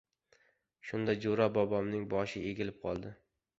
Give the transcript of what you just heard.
Shunda, Jo‘ra boboning boshi egilib qoldi.